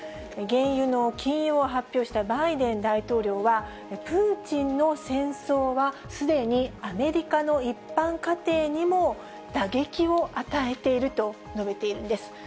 原油の禁輸を発表したバイデン大統領は、プーチンの戦争はすでにアメリカの一般家庭にも打撃を与えていると述べているんです。